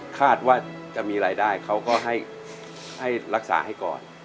คาดว่าจะมีรายได้เขาก็ให้รักษาให้ก่อน